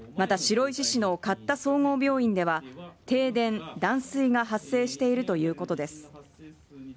また白石市の苅田総合病院では停電、断水が発生しているということです。